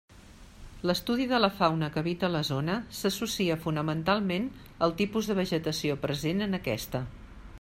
L'estudi de la fauna que habita la zona s'associa fonamentalment al tipus de vegetació present en aquesta.